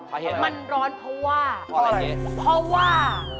สาเหตุอะไรมันร้อนเพราะว่าเพราะอะไรเพราะว่า